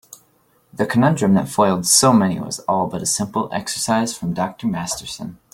The conundrum that foiled so many was all but a simple exercise for Dr. Masterson.